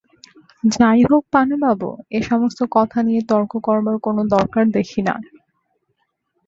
যাই হোক পানুবাবু, এ-সমস্ত কথা নিয়ে তর্ক করবার কোনো দরকার দেখি নে।